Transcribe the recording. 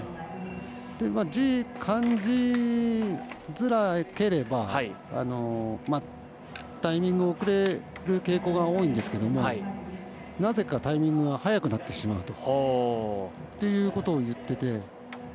Ｇ、感じづらければタイミング遅れる傾向が多いんですけどもなぜかタイミングが早くなってしまうということを言ってて。